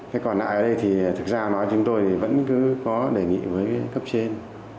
cái còn lại ở đây thì thực ra nói chúng tôi vẫn cứ có đề nghị với cấp trên